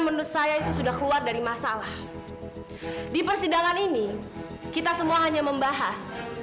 menurut saya itu sudah keluar dari masalah di persidangan ini kita semua hanya membahas